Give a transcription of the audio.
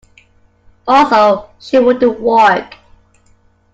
Also, she wouldn't walk.